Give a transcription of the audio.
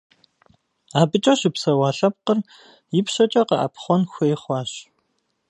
АбыкӀэ щыпсэуа лъэпкъыр ипщэкӀэ къэӀэпхъуэн хуей хъуащ.